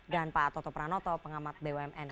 dan pak toto pranoto pengamat bumn